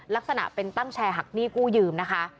ลักษณะเป็นตั้งแชร์หักหนี้กู้ยืมนะคะ